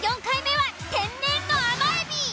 ４回目は天然の甘えび。